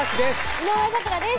井上咲楽です